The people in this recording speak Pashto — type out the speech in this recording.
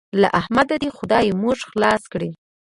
له احمده دې خدای موږ خلاص کړي.